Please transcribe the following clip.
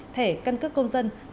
thầy căn cước công dân